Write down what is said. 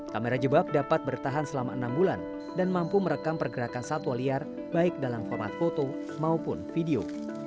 kamera jebak dapat bertahan selama enam bulan dan mampu merekam pergerakan satwa liar baik dalam format foto maupun video